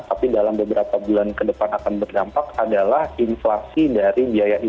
tapi dalam beberapa bulan ke depan akan berdampak adalah inflasi dari biaya hidup